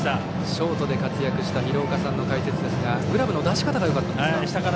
ショートで活躍した廣岡さんの解説ですがグラブの出し方がよかったんですか。